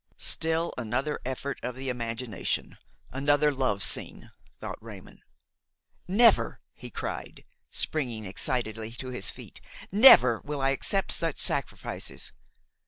"Still another effort of the imagination, another love scene," thought Raymon.–"Never," he cried, springing excitedly to his feet, "never will I accept such sacrifices!